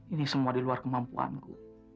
ini semua di luar kemampuanku